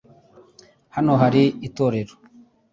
Hano hari itorero .